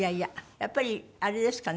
やっぱりあれですかね